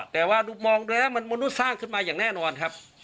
แต่ว่ามองโดยแล้วมนุษย์สร้างขึ้นมาอย่างแน่นอนครับ